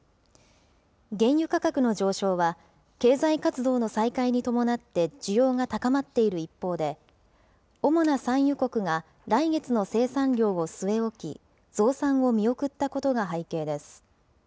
原油価格の上昇は、経済活動の再開に伴って需要が高まっている一方で、主な産油国が来月の生産量を据え置き、増産を見送ったことが背景です。